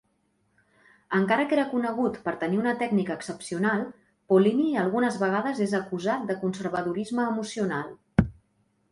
Encara que era conegut per tenir una tècnica excepcional, Pollini algunes vegades és acusat de conservadorisme emocional.